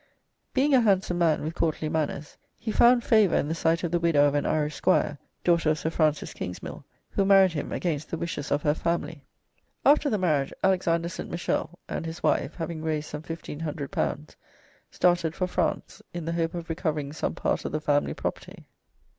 Being a handsome man, with courtly manners, he found favour in the sight of the widow of an Irish squire (daughter of Sir Francis Kingsmill), who married him against the wishes of her family. After the marriage, Alexander St. Michel and his wife having raised some fifteen hundred pounds, started, for France in the hope of recovering some part of the family property.